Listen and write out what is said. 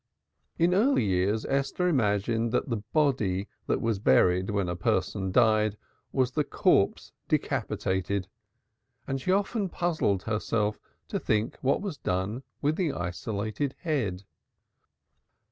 In early years Esther imagined that the "body" that was buried when a person died was the corpse decapitated and she often puzzled herself to think what was done with the isolated head.